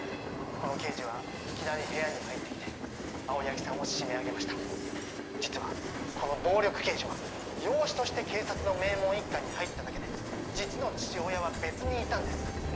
この刑事はいきなり部屋に入ってきて青柳さんを締め上げました実はこの暴力刑事は養子として警察の名門一家に入っただけで実の父親は別にいたんです